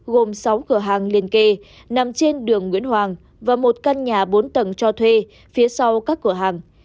gồm sáu cửa hàng liền kề nằm trên đường nguyễn hoàng và một căn nhà bốn tầng cho thuê phía sau các cửa hàng